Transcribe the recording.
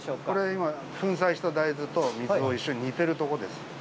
これ今、粉砕した大豆と水を一緒に煮てるところです。